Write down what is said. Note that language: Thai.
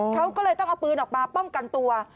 เขาก็เลยต้องเอาปืนออกมาป้องกันตัว